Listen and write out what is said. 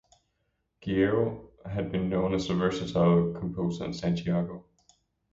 Guerrero had been known as a versatile composer in Santiago.